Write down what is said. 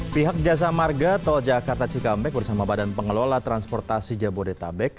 pihak jasa marga tol jakarta cikampek bersama badan pengelola transportasi jabodetabek